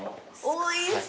おいしそう。